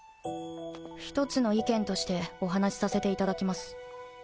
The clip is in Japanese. １つの意見としてお話しさせていただきます。